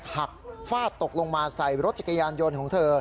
หากฟาดตกลงมาใส่รถจักรยานยนต์ของเธอ